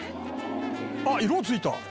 あっ、色ついた。